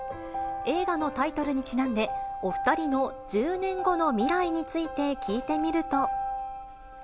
映画のタイトルにちなんで、お２人の１０年後の未来について聞いてみると。